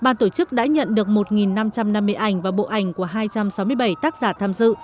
nói nhận được một năm trăm năm mươi ảnh và bộ ảnh của hai trăm sáu mươi bảy tác giả tham dự